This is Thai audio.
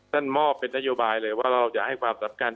สั้นมอบเป็นนโยบายเลยว่าเราจะให้ความสรรพกัน